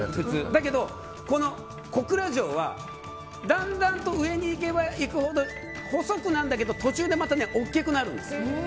だけど、小倉城はだんだんと上に行けばいくほど細くなるんだけど途中でまた大きくなるんです。